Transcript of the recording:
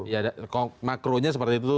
ya makronya seperti itu